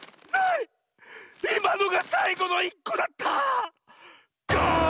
いまのがさいごのいっこだった！ガーン！